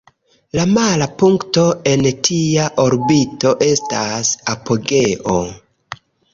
La mala punkto en tia orbito estas "apogeo".